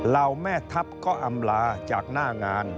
เหล่าแม่ทัพก็อำลาจากหน้างาน